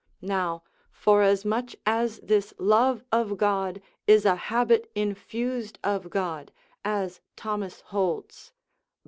Now, forasmuch as this love of God is a habit infused of God, as Thomas holds, l.